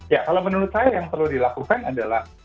ya kalau menurut saya yang perlu dilakukan adalah